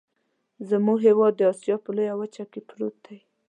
زمونږ هیواد د اسیا په لویه وچه کې پروت دی.